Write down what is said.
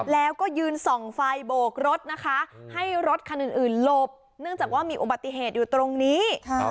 แล้วก็ยืนส่องไฟโบกรถนะคะให้รถคันอื่นหลบเนื่องจากว่ามีอุบัติเหตุอยู่ตรงนี้